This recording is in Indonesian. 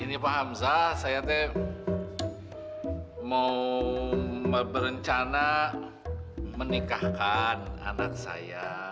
ini pak hamzah saya tuh mau berencana menikahkan anak saya